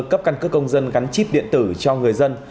cấp căn cước công dân gắn chip điện tử cho người dân